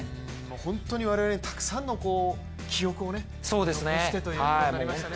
本当に我々にたくさんの記憶を残すということになりましたね。